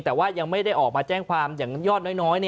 แต่ว่ายังไม่ได้ออกมาแจ้งความอย่างยอดน้อย